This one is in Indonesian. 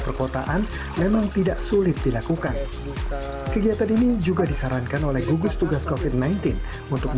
perkotaan memang tidak sulit dilakukan kegiatan ini juga disarankan oleh gugus tugas kofit sembilan belas untuk